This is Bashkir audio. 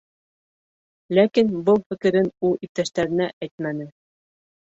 Ләкин был фекерен ул иптәштәренә әйтмәне.